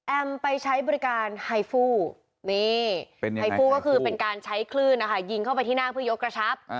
ไปใช้บริการไฮฟูนี่ไฮฟูก็คือเป็นการใช้คลื่นนะคะยิงเข้าไปที่หน้าเพื่อยกระชับ